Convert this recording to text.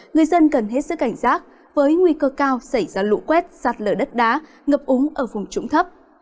người dân cần hết sức cảnh giác với nguy cơ cao xảy ra lũ quét sạt lở đất đá ngập úng ở vùng trũng thấp